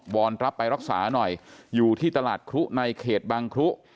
อนรับไปรักษาหน่อยอยู่ที่ตลาดครุในเขตบางครุ